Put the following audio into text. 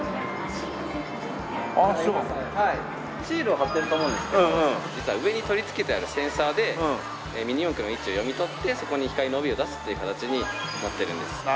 シールを貼ってると思うんですけど実は上に取り付けてあるセンサーでミニ四駆の位置を読み取ってそこに光の帯を出すっていう形になってるんです。